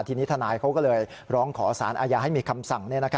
ทีนี้ทนายเขาก็เลยร้องขอสารอาญาให้มีคำสั่ง